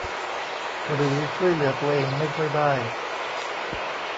หรือช่วยเหลือตัวเองไม่ค่อยได้